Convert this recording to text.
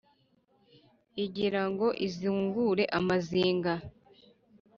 igira ngo izingure amazinga